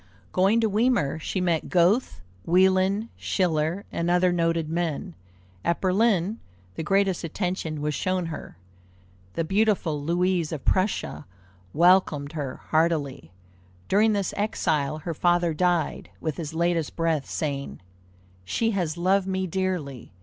Going to Weimar, she met Goethe, Wieland, Schiller, and other noted men. At Berlin, the greatest attention was shown her. The beautiful Louise of Prussia welcomed her heartily. During this exile her father died, with his latest breath saying," She has loved me dearly!